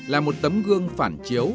là một tấm gương phản chiếu